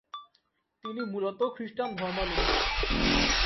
তিনি মূলত খ্রিস্টান ধর্মালম্বী।